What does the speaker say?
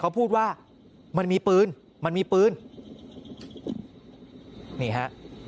เขาพูดว่ามันมีปืนมันมีปืนนี่ฮะ